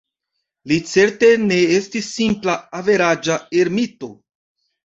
Li certe ne estis simpla, "averaĝa" ermito.